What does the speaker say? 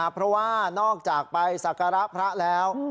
เพราะว่านอกจากไปสักการะพระแล้ว